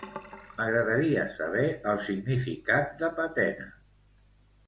M'agradaria saber el significat de patena.